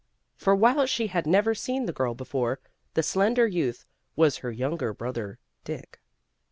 For while she had never seen the girl before, the slender youth was her younger brother, Dick.